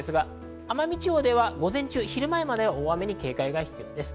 奄美地方では午前中、昼前までは大雨に警戒が必要です。